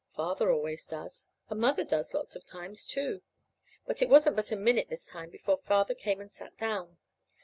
Father always does; and Mother does lots of times, too.) But it wasn't but a minute this time before Father came and sat down.